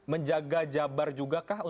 menjaga jabar juga kah untuk jawa tengah